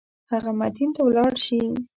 هغه مدین ته ولاړ شي.